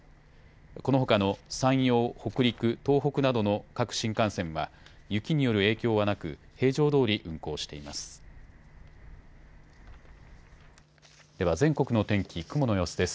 このほかの山陽、北陸、東北などの各新幹線は雪による影響はなく平常どおり運行しています。